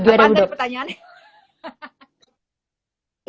apaan dari pertanyaannya